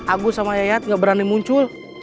agus sama yayat gak berani muncul